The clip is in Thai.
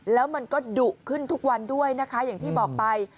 แล้วมันก็ดุขึ้นทุกวันด้วยนะคะอย่างที่บอกไป